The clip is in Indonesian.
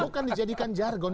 bukan dijadikan jargon